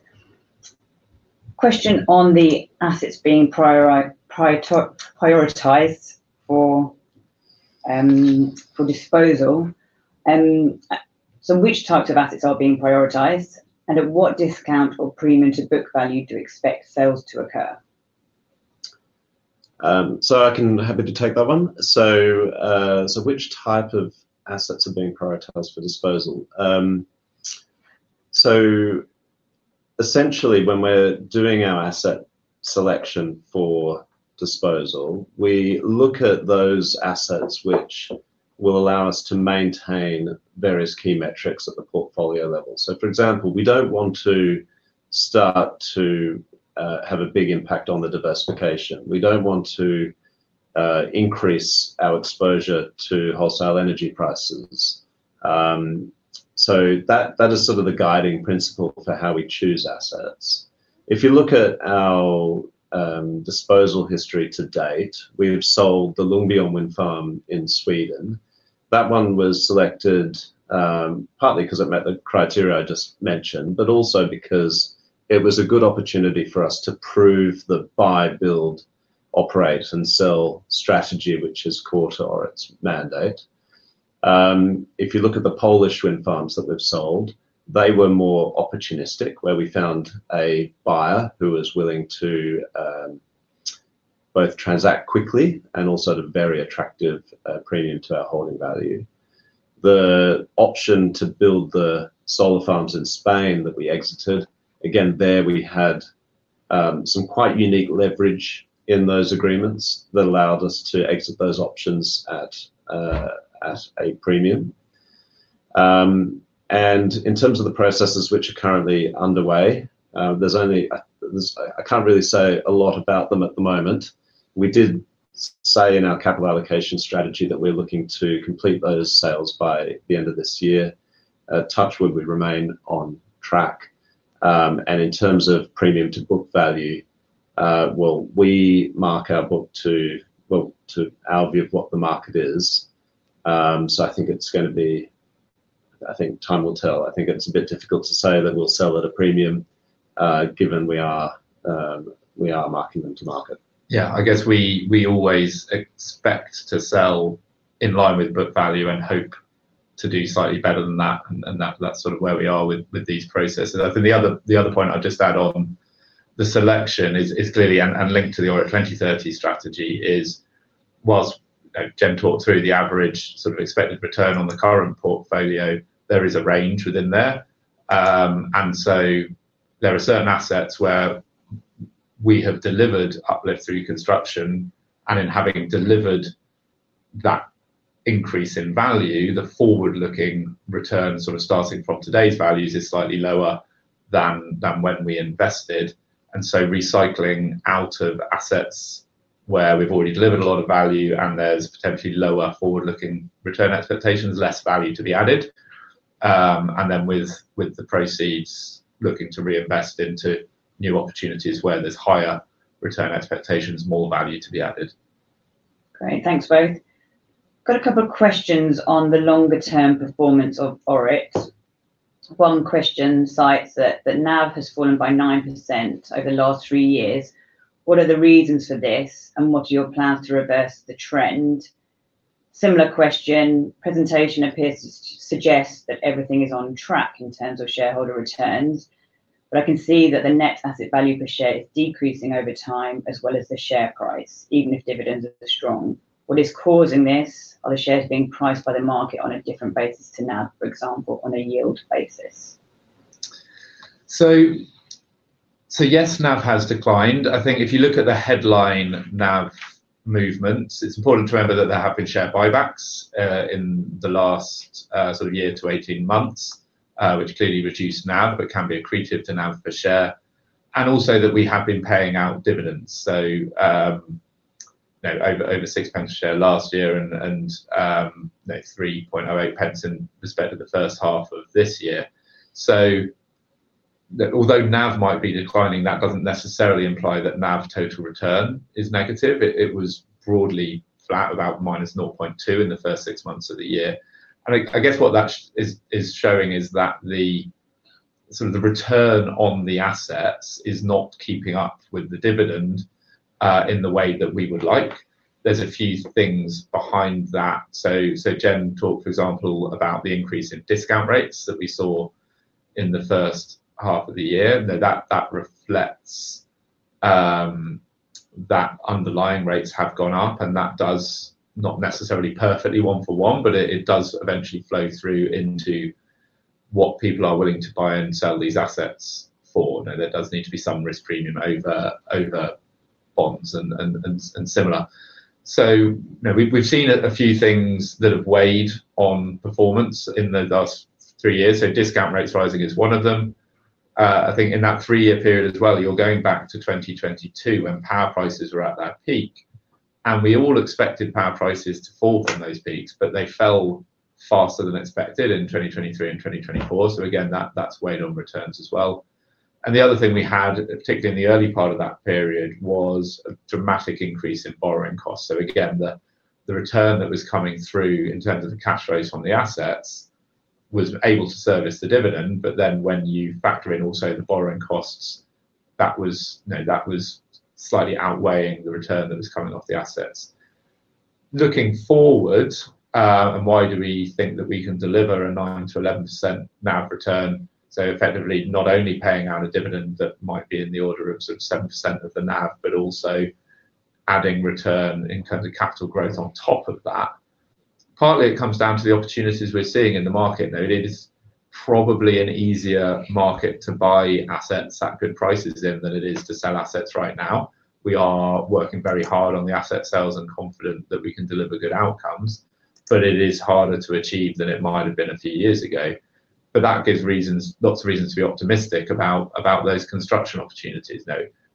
Question on the assets being prioritized for disposal. Which types of assets are being prioritized, and at what discount or premium to book value do you expect sales to occur? I can happily take that one. Which type of assets are being prioritized for disposal? Essentially, when we're doing our asset selection for disposal, we look at those assets which will allow us to maintain various key metrics at the portfolio level. For example, we don't want to start to have a big impact on the diversification. We don't want to increase our exposure to wholesale energy prices. That is sort of the guiding principle for how we choose assets. If you look at our disposal history to date, we've sold the Ljungbyholm Wind Farm in Sweden. That one was selected partly because it met the criteria I just mentioned, but also because it was a good opportunity for us to prove the buy, build, operate, and sell strategy, which is core to ORIT's mandate. If you look at the Polish wind farms that we've sold, they were more opportunistic, where we found a buyer who was willing to both transact quickly and also to be very attractive premium to our holding value. The option to build the solar farms in Spain that we exited, again, there we had some quite unique leverage in those agreements that allowed us to exit those options at a premium. In terms of the processes which are currently underway, I can't really say a lot about them at the moment. We did say in our capital allocation strategy that we're looking to complete those sales by the end of this year, touch wood, we remain on track. In terms of premium to book value, we mark our book to our view of what the market is. I think it's going to be, I think time will tell. I think it's a bit difficult to say that we'll sell at a premium given we are marking them to market. I guess we always expect to sell in line with book value and hope to do slightly better than that, and that's sort of where we are with these processes. I think the other point I'd just add on the selection is clearly and linked to the ORIT 2030 strategy is, whilst Gen talked through the average sort of expected return on the current portfolio, there is a range within there. There are certain assets where we have delivered uplift through construction, and in having delivered that increase in value, the forward-looking return starting from today's values is slightly lower than when we invested. Recycling out of assets where we've already delivered a lot of value and there's potentially lower forward-looking return expectations, less value to be added. With the proceeds, looking to reinvest into new opportunities where there's higher return expectations, more value to be added. Great. Thanks, both. I've got a couple of questions on the longer-term performance of ORIT. One question cites that NAV has fallen by 9% over the last three years. What are the reasons for this and what are your plans to reverse the trend? Similar question, presentation appears to suggest that everything is on track in terms of shareholder returns, but I can see that the net asset value per share is decreasing over time as well as the share price, even if dividends are strong. What is causing this? Are the shares being priced by the market on a different basis to NAV, for example, on a yield basis? Yes, NAV has declined. I think if you look at the headline NAV movements, it's important to remember that there have been share buybacks in the last sort of year to 18 months, which clearly reduced NAV, but can be accretive to NAV per share. Also, that we have been paying out dividends, so over 0.06 a share last year and that's 0.0308 in respect to the first half of this year. Although NAV might be declining, that doesn't necessarily imply that NAV total return is negative. It was broadly flat, about -0.2% in the first six months of the year. I guess what that is showing is that the return on the assets is not keeping up with the dividend in the way that we would like. There's a few things behind that. Gen talked, for example, about the increase in discount rates that we saw in the first half of the year. That reflects that underlying rates have gone up, and that does not necessarily perfectly one-for-one, but it does eventually flow through into what people are willing to buy and sell these assets for. There does need to be some risk premium over bonds and similar. We've seen a few things that have weighed on performance in the last three years, so discount rates rising is one of them. I think in that three-year period as well, you're going back to 2022 when power prices were at that peak. We all expected power prices to fall from those peaks, but they fell faster than expected in 2023 and 2024. Again, that's weighed on returns as well. The other thing we had ticked in the early part of that period was a dramatic increase in borrowing costs. Again, the return that was coming through in terms of the cash flows from the assets was able to service the dividend, but then when you factor in also the borrowing costs, that was slightly outweighing the return that was coming off the assets. Looking forward, why do we think that we can deliver a 9%-11% NAV return? Effectively, not only paying out a dividend that might be in the order of 6%-7% of the NAV, but also adding return in terms of capital growth on top of that. Partly, it comes down to the opportunities we're seeing in the market. It is probably an easier market to buy assets at good prices than it is to sell assets right now. We are working very hard on the asset sales and confident that we can deliver good outcomes, but it is harder to achieve than it might have been a few years ago. That gives lots of reasons to be optimistic about those construction opportunities.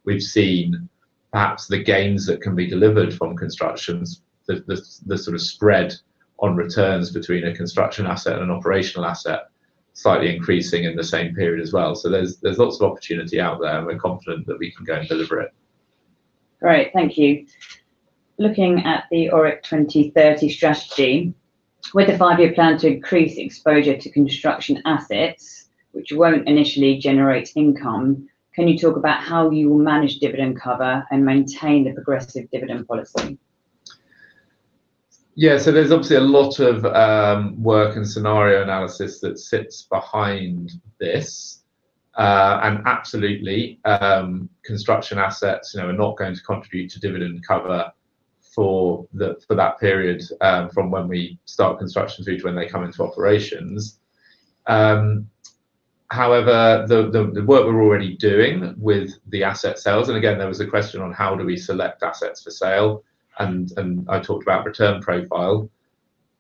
We've seen perhaps the gains that can be delivered from constructions, the sort of spread on returns between a construction asset and an operational asset, slightly increasing in the same period as well. There's lots of opportunity out there, and we're confident that we can go and deliver it. Great. Thank you. Looking at the ORIT 2030 strategy, with the five-year plan to increase exposure to construction assets, which won't initially generate income, can you talk about how you will manage dividend cover and maintain the progressive dividend policy? Yeah. There's obviously a lot of work and scenario analysis that sits behind this. Absolutely, construction assets are not going to contribute to dividend cover for that period from when we start construction through to when they come into operations. However, the work we're already doing with the asset sales, and again, there was a question on how do we select assets for sale, and I talked about return profile.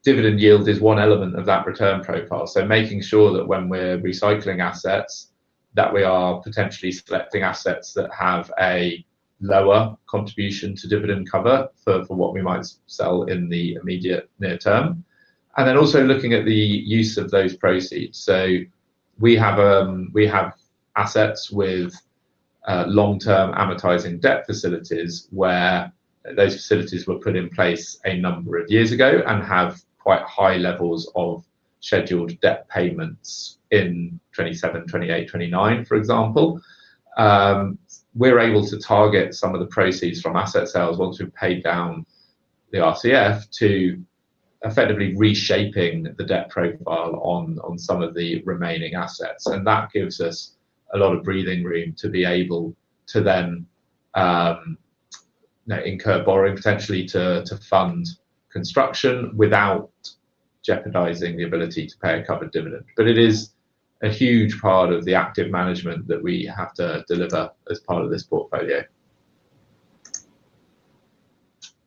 Dividend yield is one element of that return profile, so making sure that when we're recycling assets, that we are potentially selecting assets that have a lower contribution to dividend cover for what we might sell in the immediate near term. Also looking at the use of those proceeds. We have assets with long-term amortizing debt facilities where those facilities were put in place a number of years ago and have quite high levels of scheduled debt payments in 2027, 2028, 2029, for example. We're able to target some of the proceeds from asset sales once we've paid down the RCF to effectively reshaping the debt profile on some of the remaining assets. That gives us a lot of breathing room to be able to then incur borrowing potentially to fund construction without jeopardizing the ability to pay a covered dividend. It is a huge part of the active management that we have to deliver as part of this portfolio.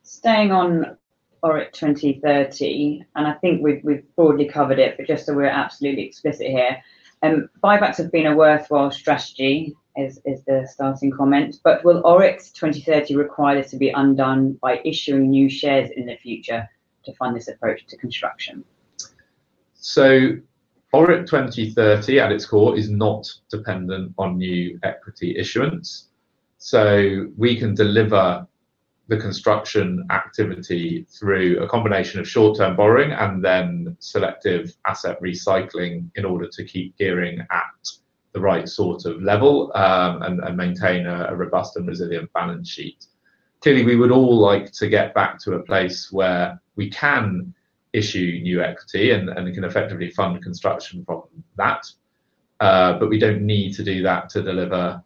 Staying on ORIT 2030, and I think we've broadly covered it, just so we're absolutely explicit here, buybacks have been a worthwhile strategy, is the starting comment. Will ORIT 2030 require this to be undone by issuing new shares in the future to fund this approach to construction? ORIT 2030 at its core is not dependent on new equity issuance. We can deliver the construction activity through a combination of short-term borrowing and then selective asset recycling in order to keep gearing at the right sort of level and maintain a robust and resilient balance sheet. Clearly, we would all like to get back to a place where we can issue new equity and can effectively fund construction from that, but we don't need to do that to deliver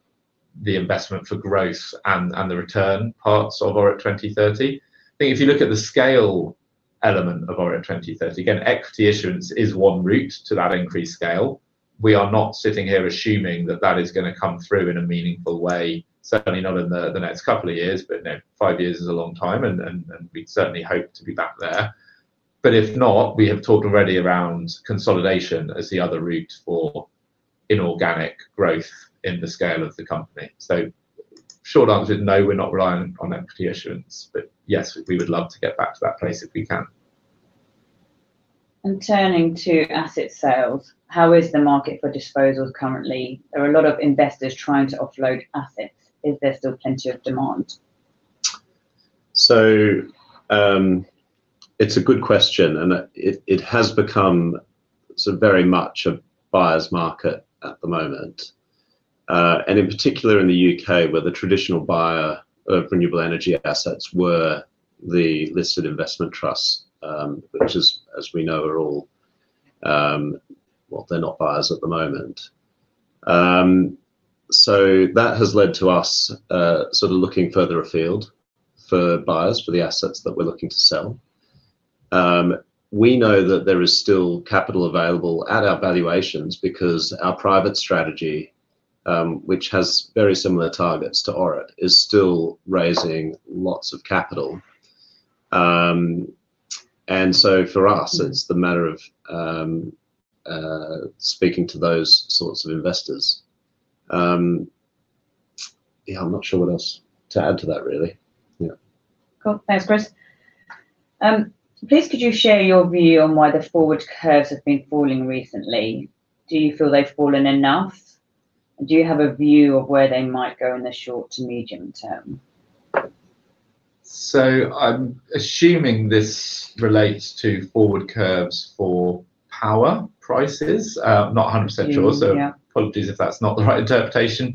the investment for growth and the return parts of ORIT 2030. I think if you look at the scale element of ORIT 2030, again, equity issuance is one route to that increased scale. We are not sitting here assuming that that is going to come through in a meaningful way, certainly not in the next couple of years. Five years is a long time, and we certainly hope to be back there. If not, we have talked already around consolidation as the other route for inorganic growth in the scale of the company. Short answer is no, we're not reliant on equity issuance, but yes, we would love to get back to that place if we can. Turning to asset sales, how is the market for disposals currently? There are a lot of investors trying to offload assets. Is there still plenty of demand? It's a good question, and it has become very much a buyer's market at the moment, in particular in the U.K., where the traditional buyer of renewable energy assets were the listed investment trusts, which, as we know, are all, they're not buyers at the moment. That has led to us looking further afield for buyers for the assets that we're looking to sell. We know that there is still capital available at our valuations because our private strategy, which has very similar targets to ORIT, is still raising lots of capital. For us, it's the matter of speaking to those sorts of investors. I'm not sure what else to add to that really. Cool. Thanks, Chris. Please, could you share your view on why the forward curves have been falling recently? Do you feel they've fallen enough? Do you have a view of where they might go in the short to medium term? I'm assuming this relates to forward curves for power prices. I'm not 100% sure, so apologies if that's not the right interpretation.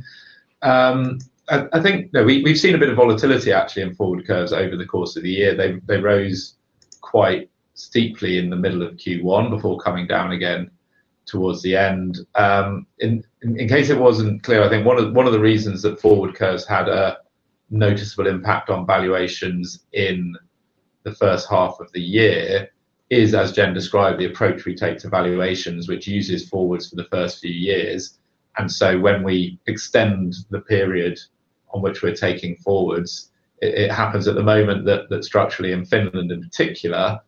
I think we've seen a bit of volatility actually in forward curves over the course of the year. They rose quite steeply in the middle of Q1 before coming down again towards the end. In case it wasn't clear, I think one of the reasons that forward curves had a noticeable impact on valuations in the first half of the year is, as Gen described, the approach we take to valuations, which uses forwards for the first few years. When we extend the period on which we're taking forwards, it happens at the moment that structurally in Finland in particular,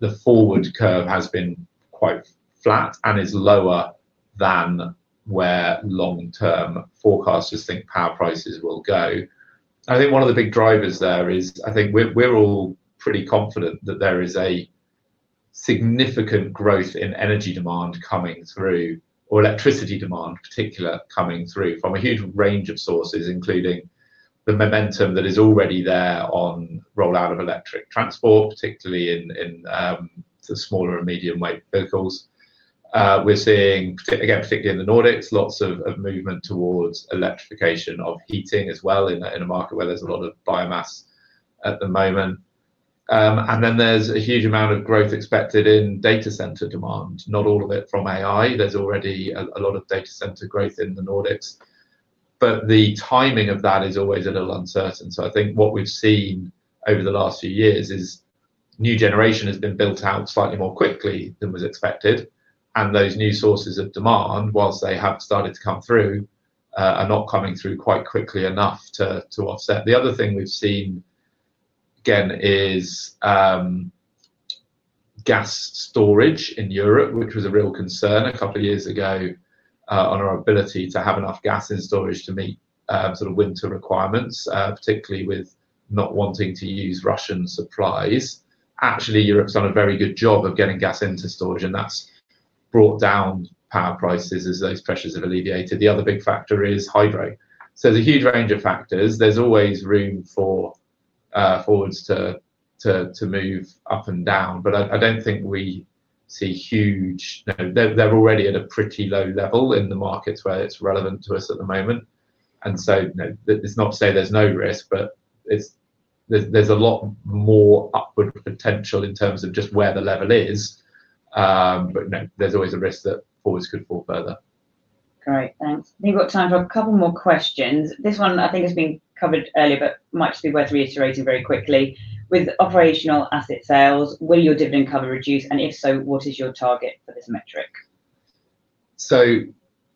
the forward curve has been quite flat and is lower than where long-term forecasters think power prices will go. I think one of the big drivers there is, I think we're all pretty confident that there is a significant growth in energy demand coming through, or electricity demand in particular coming through from a huge range of sources, including the momentum that is already there on rollout of electric transport, particularly in the smaller and medium weight vehicles. We're seeing, again, particularly in the Nordics, lots of movement towards electrification of heating as well in a market where there's a lot of biomass at the moment. There's a huge amount of growth expected in data center demand, not all of it from AI. There's already a lot of data center growth in the Nordics, but the timing of that is always a little uncertain. I think what we've seen over the last few years is new generation has been built out slightly more quickly than was expected, and those new sources of demand, whilst they have started to come through, are not coming through quite quickly enough to offset. The other thing we've seen, again, is gas storage in Europe, which was a real concern a couple of years ago on our ability to have enough gas in storage to meet winter requirements, particularly with not wanting to use Russian supplies. Actually, Europe's done a very good job of getting gas into storage, and that's brought down power prices as those pressures have alleviated. The other big factor is hydro. There's a huge range of factors. There's always room for forwards to move up and down, but I don't think we see huge. They're already at a pretty low level in the markets where it's relevant to us at the moment. It's not to say there's no risk, but there's a lot more upward potential in terms of just where the level is, but there's always a risk that always could fall further. Great. Thanks. We've got time for a couple more questions. This one I think has been covered earlier, but might still be worth reiterating very quickly. With operational asset sales, will your dividend cover reduce, and if so, what is your target for this metric?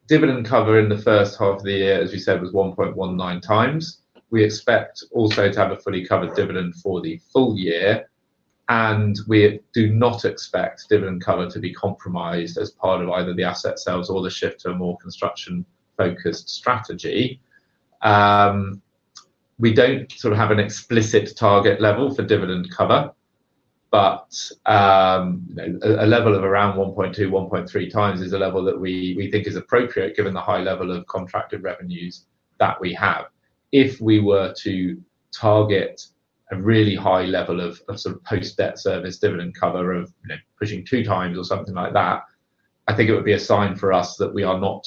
Dividend cover in the first half of the year, as we said, was 1.19x. We expect also to have a fully covered dividend for the full year, and we do not expect dividend cover to be compromised as part of either the asset sales or the shift to a more construction-focused strategy. We don't have an explicit target level for dividend cover, but a level of around 1.2x, 1.3x is a level that we think is appropriate given the high level of contracted revenues that we have. If we were to target a really high level of post-debt service dividend cover of pushing 2x or something like that, I think it would be a sign for us that we are not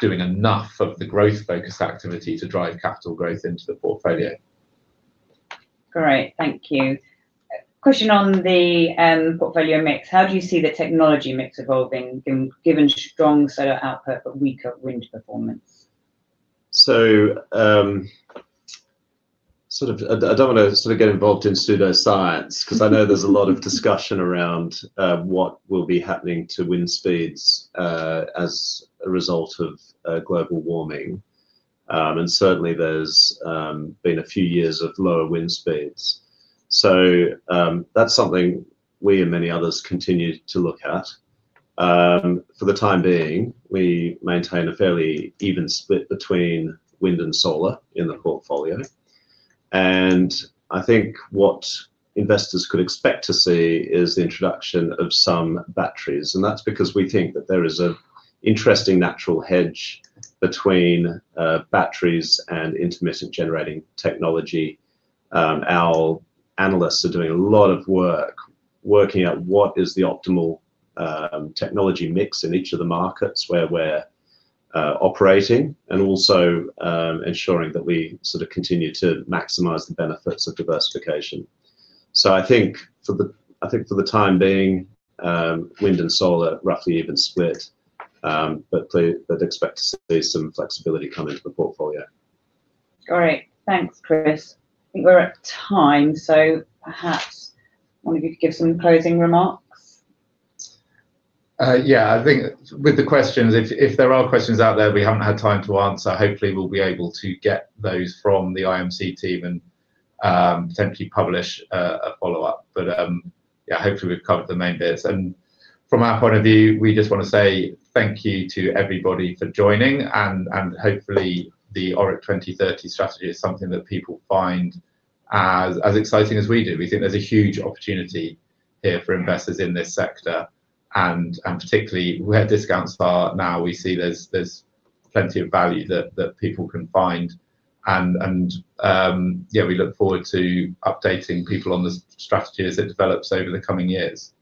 doing enough of the growth-focused activity to drive capital growth into the portfolio. Great. Thank you. Question on the portfolio mix. How do you see the technology mix evolving given strong solar output but weaker wind performance? I don't want to get involved in pseudoscience because I know there's a lot of discussion around what will be happening to wind speeds as a result of global warming. Certainly, there's been a few years of lower wind speeds. That's something we and many others continue to look at. For the time being, we maintain a fairly even split between wind and solar in the portfolio. I think what investors could expect to see is the introduction of some batteries, and that's because we think that there is an interesting natural hedge between batteries and intermittent generating technology. Our analysts are doing a lot of work working out what is the optimal technology mix in each of the markets where we're operating and also ensuring that we continue to maximize the benefits of diversification. I think for the time being, wind and solar are roughly even split, but expect to see some flexibility coming to the portfolio. Great. Thanks, Chris. We're at time, so perhaps one of you could give some closing remarks? I think with the questions, if there are questions out there we haven't had time to answer, hopefully we'll be able to get those from the IMC team and potentially publish a follow-up. Hopefully we've covered the main base. From our point of view, we just want to say thank you to everybody for joining, and hopefully the ORIT 2030 strategy is something that people find as exciting as we do. We think there's a huge opportunity here for investors in this sector, and particularly where discounts are now, we see there's plenty of value that people can find. We look forward to updating people on the strategy as it develops over the coming years.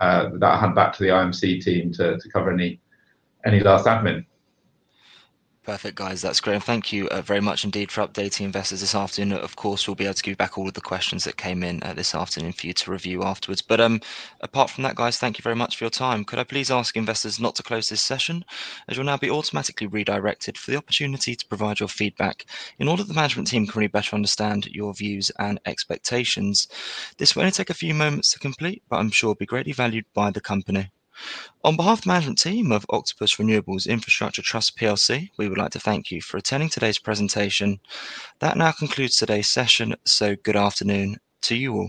I'll hand back to the IMC team to cover any last admin. Perfect, guys. That's great. Thank you very much indeed for updating investors this afternoon. Of course, you'll be able to get back all of the questions that came in this afternoon for you to review afterwards. Apart from that, guys, thank you very much for your time. Could I please ask investors not to close this session as you'll now be automatically redirected for the opportunity to provide your feedback in order for the management team to better understand your views and expectations. This will only take a few moments to complete, but I'm sure it will be greatly valued by the company. On behalf of the management team of Octopus Renewables Infrastructure Trust plc, we would like to thank you for attending today's presentation. That now concludes today's session. Good afternoon to you all.